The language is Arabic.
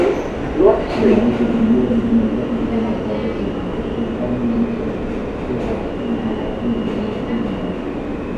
فَنَعُوذُ بِاَللَّهِ مِنْ الْبَغْيِ وَمَصَارِعِهِ ، وَالشَّيْطَانِ وَمَكَائِدِهِ ، وَهُوَ حَسْبُنَا وَعَلَيْهِ تَوَكُّلُنَا